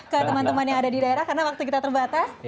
ke teman teman yang ada di daerah karena waktu kita terbatas